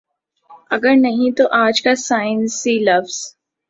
اگر نہیں تو آج کا سائنسی لفظ